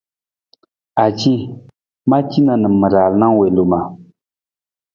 Aaji, ma cina na ma raala wi loma.